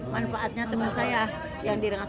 manfaatnya teman saya